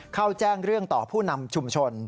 เข้าแจ้งเรื่องต่อผู้นำชุมชน